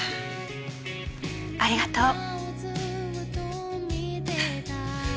ありがとう。